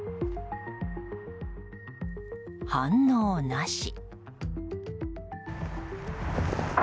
反応なし。